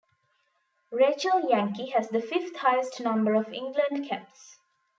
Rachel Yankey has the fifth highest number of England caps.